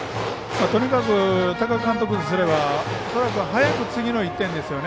とにかく多賀監督にすれば恐らく早く次の１点ですよね。